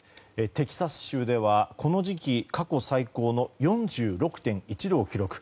テキサス州ではこの時期過去最高の４６．１度を記録。